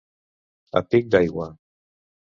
A pic d'aigua.